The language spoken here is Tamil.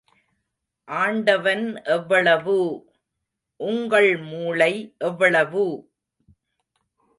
ஆண்டவன் எவ்வளவு! உங்கள் மூளை எவ்வளவு!